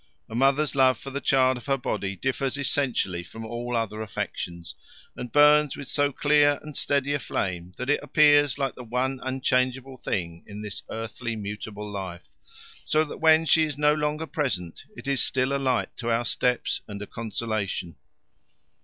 A mother's love for the child of her body differs essentially from all other affections, and burns with so clear and steady a flame that it appears like the one unchangeable thing in this earthly mutable life, so that when she is no longer present it is still a light to our steps and a consolation.